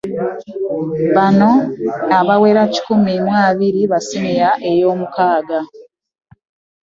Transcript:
Bano abawera kikumi mu abiri ba siniya ey'omukaaga.